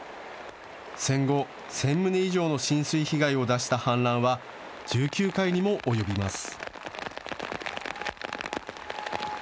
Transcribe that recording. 戦後、１０００棟以上の浸水被害を出した氾濫は１９回にも及びます。